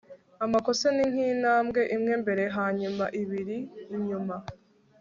amakosa ni nkintambwe imwe imbere hanyuma ibiri inyuma